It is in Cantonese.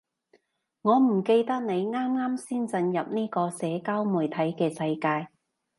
我唔記得你啱啱先進入呢個社交媒體嘅世界